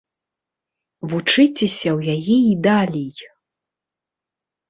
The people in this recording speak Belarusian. Вучыцеся ў яе і далей.